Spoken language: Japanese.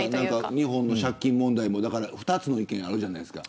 日本の借金問題とか２つの意見があるじゃないですか。